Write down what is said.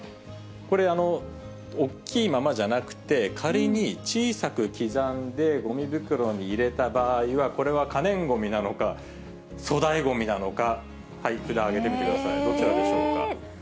これ、大きいままじゃなくて、仮に小さく刻んでごみ袋に入れた場合は、これは可燃ごみなのか、粗大ごみなのか、はい、札、挙げてみてください、どちらでしょうか。